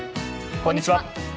こんにちは。